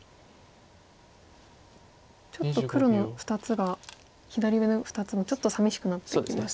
ちょっと黒の２つが左上の２つもちょっとさみしくなってきましたが。